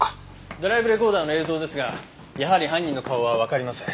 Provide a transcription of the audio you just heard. ドライブレコーダーの映像ですがやはり犯人の顔はわかりません。